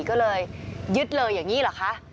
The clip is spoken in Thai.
ก็เลยยึดเลยอย่างนี้เหรอคะ